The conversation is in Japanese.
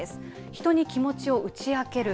人に気持ちを打ち明ける。